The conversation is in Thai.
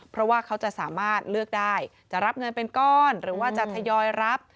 เพราะว่าเขาจะสามารถเลือกได้จะรับเงินเป็นก้อนหรือว่าจะทยอยรับ